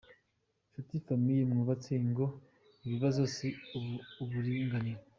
Nshuti famille mwubatse ingo ikibazo si uburinganire.